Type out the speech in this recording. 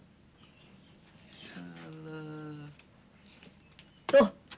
tuh nanti lagi saya tidak mau ngasih